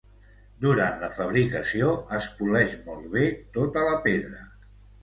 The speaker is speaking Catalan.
Durant la fabricació, es poleix molt bé tota la pedra.